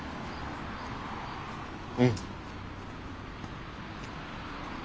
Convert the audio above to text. うん。